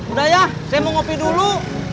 udah ya saya mau ngopi dulu